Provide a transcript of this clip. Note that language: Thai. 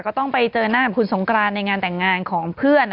ก็ต้องไปเจอหน้ากับคุณสงกรานในงานแต่งงานของเพื่อน